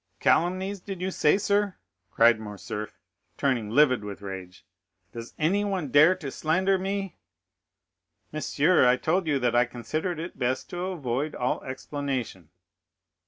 "Calumnies, did you say, sir?" cried Morcerf, turning livid with rage. "Does anyone dare to slander me?" "Monsieur, I told you that I considered it best to avoid all explanation."